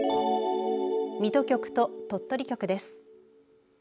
水戸局と鳥取局です。